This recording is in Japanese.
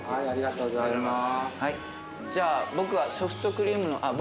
ありがとうございます。